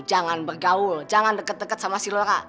jangan bergaul jangan deket deket sama si lora